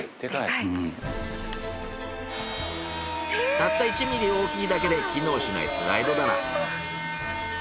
たった１ミリ大きいだけで機能しないスライド棚。